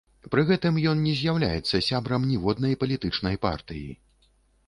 Пры гэтым ён не з'яўляецца сябрам ніводнай палітычнай партыі.